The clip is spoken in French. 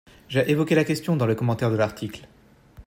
J’ai évoqué la question dans le commentaire de l’article.